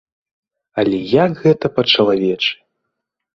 Але як гэта па-чалавечы!